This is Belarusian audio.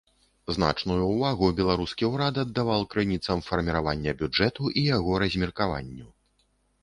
Значную ўвагу беларускі ўрад аддаваў крыніцам фарміравання бюджэту і яго размеркаванню.